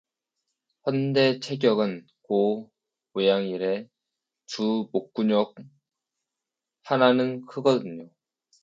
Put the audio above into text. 헌데 체격은 고 모양이래 두 목구녁 하나는 크거든요.